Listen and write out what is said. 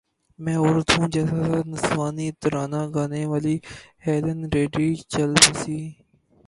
میں عورت ہوں جیسا نسوانی ترانہ گانے والی ہیلن ریڈی چل بسیں